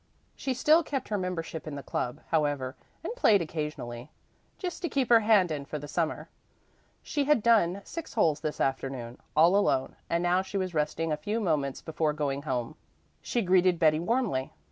She still kept her membership in the club, however, and played occasionally, "just to keep her hand in for the summer." She had done six holes this afternoon, all alone, and now she was resting a few moments before going home. She greeted Betty warmly.